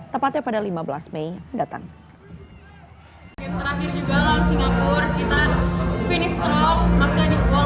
tepatnya pada lima belas mei mendatang